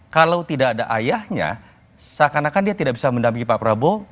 kalau tidak ada ayahnya seakan akan dia tidak bisa mendampingi pak prabowo